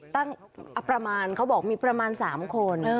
ประมาณเขาบอกมีประมาณ๓คน